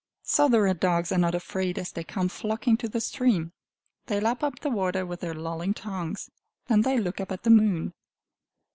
So the red dogs are not afraid as they come flocking to the stream. They lap up the water with their lolling tongues. Then they look up at the moon.